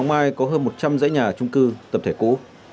tại cơ quan quần hoàng mai có hơn một trăm linh dãy nhà trung cư tập thể cũ